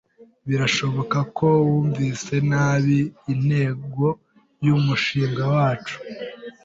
Birashoboka ko wumvise nabi intego yumushinga wacu.